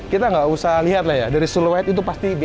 kita gak usah lihat lah ya dari silhouette itu pasti bmw